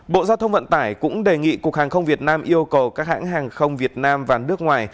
bộ giao thông vận tải cũng đề nghị cục hàng không việt nam yêu cầu các hãng hàng không việt nam và nước ngoài